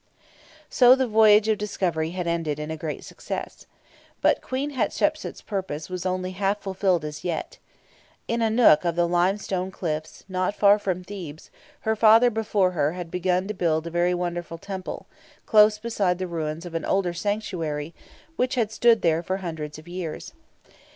So the voyage of discovery had ended in a great success. But Queen Hatshepsut's purpose was only half fulfilled as yet. In a nook of the limestone cliffs, not far from Thebes, her father before her had begun to build a very wonderful temple, close beside the ruins of an older sanctuary which had stood there for hundreds of years.